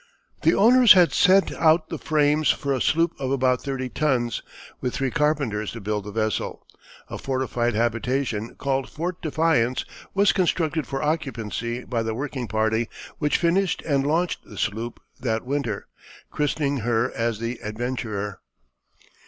The owners had sent out the frames for a sloop of about thirty tons, with three carpenters to build the vessel. A fortified habitation, called Fort Defiance, was constructed for occupancy by the working party, which finished and launched the sloop that winter, christening her as the Adventurer.